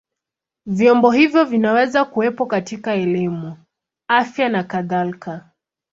Vyombo hivyo vinaweza kuwepo katika elimu, afya na kadhalika.